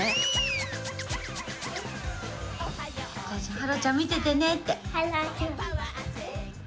ハローちゃん見ててねって。